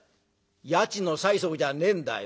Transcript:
「家賃の催促じゃねえんだよ。